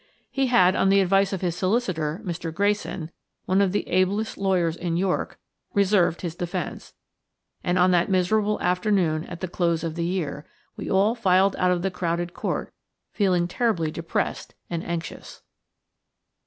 He had, on the advice of his solicitor, Mr. Grayson–one of the ablest lawyers in York–reserved his defence, and on that miserable afternoon at the close of the year, we all filed out of the crowded court, feeling terribly depressed and anxious.